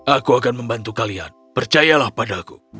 aku akan membantu kalian percayalah padaku